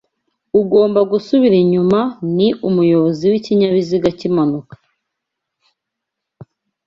ugomba gusubira inyuma ni umuyobozi w'ikinyabiziga kimanuka